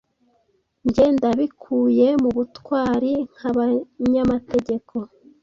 Njye ndabikuye mubutwari nkabanyamategeko